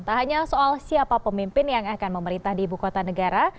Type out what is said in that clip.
tak hanya soal siapa pemimpin yang akan memerintah di ibu kota negara